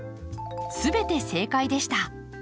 全て正解でした。